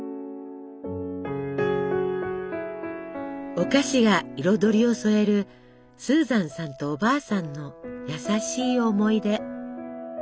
お菓子が彩りを添えるスーザンさんとおばあさんの優しい思い出。